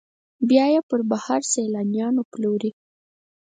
بیا یې پر بهر سیلانیانو پلوري.